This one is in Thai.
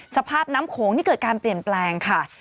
สภาพน้ำโขงนี่เกิดการเปลี่ยนแปลงค่ะ